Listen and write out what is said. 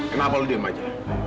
kenapa lo diam aja